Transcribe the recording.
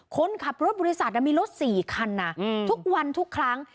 คนขับรถบริษัทมีรถ๔คันทุกวันทุกครั้ง